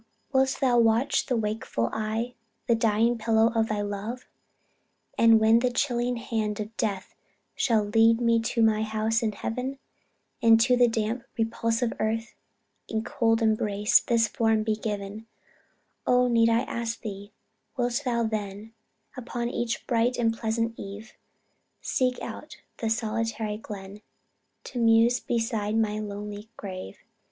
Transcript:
wilt thou watch with wakeful eye, The dying pillow of thy love? And when the chilling hand of death Shall lead me to my house in heaven And to the damp, repulsive earth, In cold embrace, this form be given; Oh, need I ask thee, wilt thou then, Upon each bright and pleasant eve, Seek out the solitary glen, To muse beside my lonely grave?